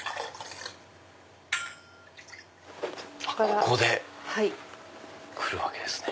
ここでくるわけですね。